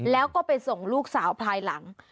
แล้วก็ไปส่งลูกสาวภายหลัง